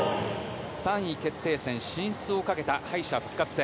３位決定戦進出をかけた敗者復活戦。